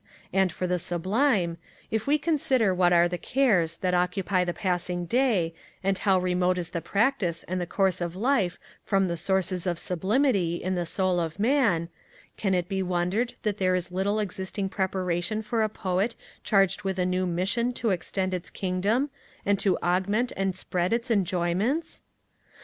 And for the sublime, if we consider what are the cares that occupy the passing day, and how remote is the practice and the course of life from the sources of sublimity, in the soul of Man, can it be wondered that there is little existing preparation for a poet charged with a new mission to extend its kingdom, and to augment and spread its enjoyments?